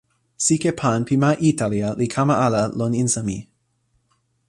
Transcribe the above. sike pan pi ma Italia li kama ala lon insa mi.